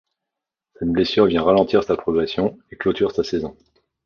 Cette blessure vient ralentir sa progression et clôture sa saison.